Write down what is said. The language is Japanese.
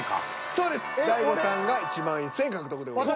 そうです大悟さんが１万１，０００円獲得でございます。